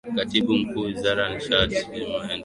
Katibu Mkuu Wizara ya Nishati ni Mhandisi Leonard Masanja